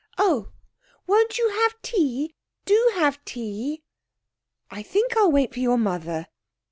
Oh, won't you have tea? Do have tea.' 'I think I'll wait for your mother.'